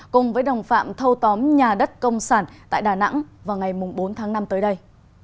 cùng với đồng phạm thâu tóm nhà đất công sản tại đà nẵng vào ngày bốn tháng năm tới đây